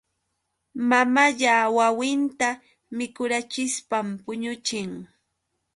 Mamalla wawinta mikurachishpam puñuchin.